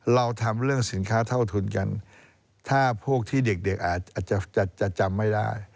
เราทำเรื่องสินค้าเท่าทุนกันถ้าพวกที่เด็กอาจจะจำไม่ได้